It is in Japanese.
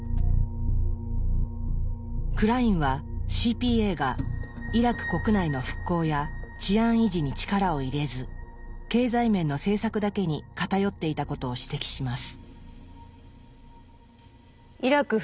クラインはＣＰＡがイラク国内の復興や治安維持に力を入れず経済面の政策だけに偏っていたことを指摘します。